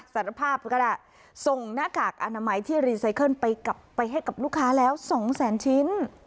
สารภาพก็ได้ส่งหน้ากากอนามัยที่รีไซเคิลไปให้กับลูกค้าแล้วสองแสนชิ้น